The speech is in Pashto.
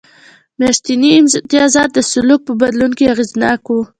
میاشتني امتیازات د سلوک په بدلون کې اغېزناک و.